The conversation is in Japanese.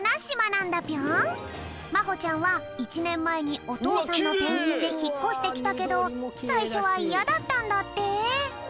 まほちゃんは１ねんまえにおとうさんのてんきんでひっこしてきたけどさいしょはいやだったんだって。